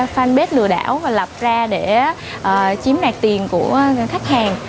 fanpage lừa đảo và lập ra để chiếm đoạt tiền của khách hàng